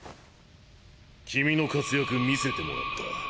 君の活躍見せてもらった。